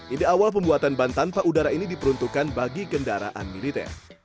ide awal pembuatan ban tanpa udara ini diperuntukkan bagi kendaraan militer